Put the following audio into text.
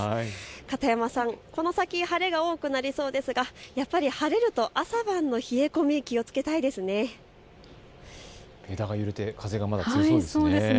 片山さん、この先晴れが多くなりそうですが、やっぱり晴れると朝晩の冷え込み、気をつけたいですよね。